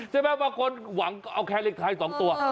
บางคนหวังเอาแค่เลขท้าย๒ตัว